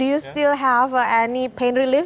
apakah kamu masih ada penyakit